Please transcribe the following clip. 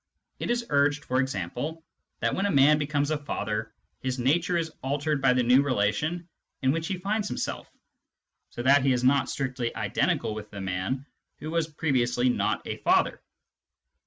It is urged, for example, that when a man becomes a father, his nature is altered by the new relation in which he finds himself, so that he is not strictly identical with the man who was previously not a father.